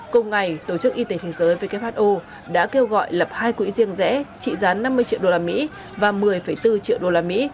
cùng ngày tổ chức y tế thế giới who đã kêu gọi lập hai quỹ riêng rẽ trị gián năm mươi triệu đô la mỹ và một mươi bốn triệu đô la mỹ